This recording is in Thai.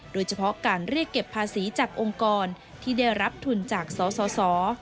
โดยเฉพาะการเรียกเก็บภาษีจากองค์กรที่ได้รับทุนจากสส